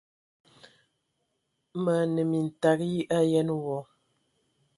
Mə anə mintag yi ayen wɔ!